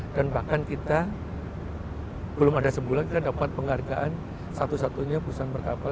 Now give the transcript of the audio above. dan bahkan kita belum ada sebulan kita dapat penghargaan satu satunya perusahaan berkapalan